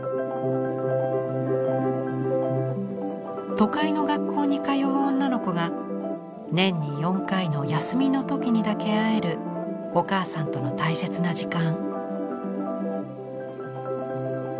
都会の学校に通う女の子が年に４回の休みの時にだけ会えるお母さんとの大切な時間。